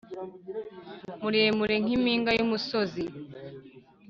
muremure nk'impinga y'umusozi